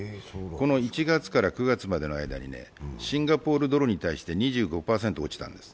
この１月から９月までシンガポールドルに対して２５％落ちたんです。